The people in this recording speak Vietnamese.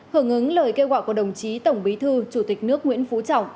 hưởng ứng lời kêu gọi của đồng chí tổng bí thư chủ tịch nước nguyễn phú trọng